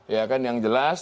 iya kan yang jelas